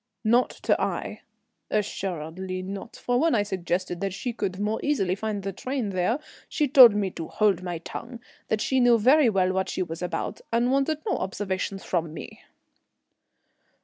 "Not to Aix?" "Assuredly not, for when I suggested that she could more easily find the train there she told me to hold my tongue, that she knew very well what she was about, and wanted no observations from me."